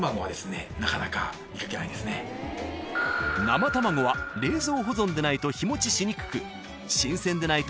［生卵は冷蔵保存でないと日持ちしにくく］